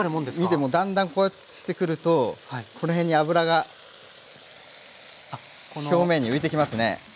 見てもだんだんこうしてくるとこの辺に油が表面に浮いてきますね。